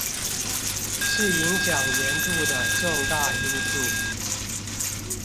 是影響鹽度的重大因素